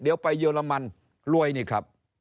เดี๋ยวไปเยอรมันรวยนี่ครับ